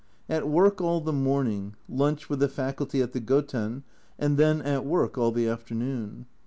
At work all the morning, lunch with the Faculty at the Goten, and then at work all the afternoon.